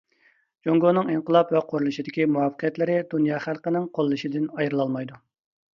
جۇڭگونىڭ ئىنقىلاب ۋە قۇرۇلۇشىدىكى مۇۋەپپەقىيەتلىرى دۇنيا خەلقىنىڭ قوللىشىدىن ئايرىلالمايدۇ.